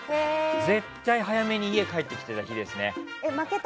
絶対早めに家帰ってきてた日ですね。